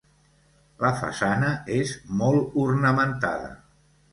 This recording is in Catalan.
La façana és molt ornamentada.